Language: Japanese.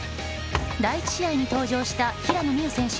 第１試合に登場した平野美宇選手